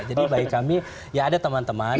jadi bagi kami ya ada teman teman